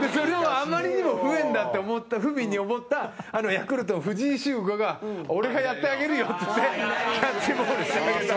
あまりにも、ふびんに思ったヤクルトの藤井秀悟が俺がやってあげるよって言ってキャッチボールしてあげた。